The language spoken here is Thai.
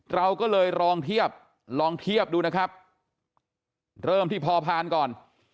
เราก็เลยลองเทียบลองเทียบดูนะครับเริ่มที่พอพานก่อน